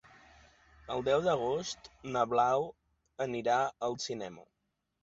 El deu d'agost na Blau anirà al cinema.